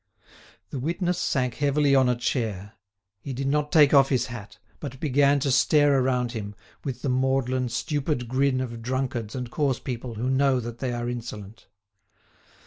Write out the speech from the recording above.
The witness sank heavily on a chair. He did not take off his hat, but began to stare around him, with the maudlin, stupid grin of drunkards and coarse people who know that they are insolent.